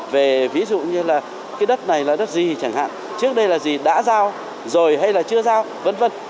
về ví dụ như là cái đất này là đất gì chẳng hạn trước đây là gì đã giao rồi hay là chưa giao v v